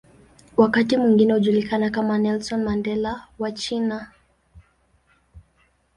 Wakati mwingine hujulikana kama "Nelson Mandela wa China".